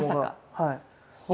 はい。